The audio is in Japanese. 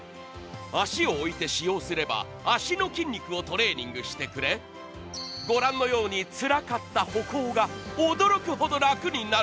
足を置いて使用すれば、足の筋肉をトレーニングしてくれ、ご覧のようにつらかった歩行が驚くほど楽になる。